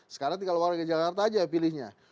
sekarang tinggal warga jakarta aja yang pilihnya